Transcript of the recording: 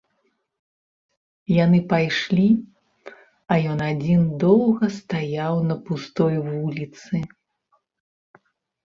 Яны пайшлі, а ён адзін доўга стаяў на пустой вуліцы.